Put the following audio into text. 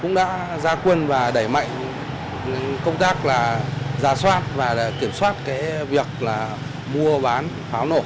cũng đã ra quân và đẩy mạnh công tác là giả soát và kiểm soát cái việc là mua bán pháo nổ